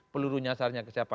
peluru nyasarnya siapa